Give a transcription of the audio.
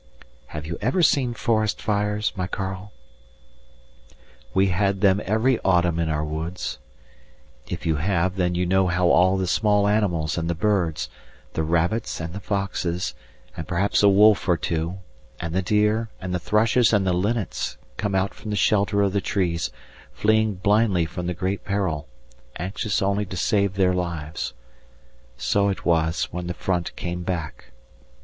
Have you ever seen forest fires, my Karl? We had them every autumn in our woods. If you have, then you know how all the small animals and the birds, the rabbits and the foxes, and perhaps a wolf or two, and the deer, and the thrushes and the linnets come out from the shelter of the trees, fleeing blindly from the great peril, anxious only to save their lives. So it was when the front came back.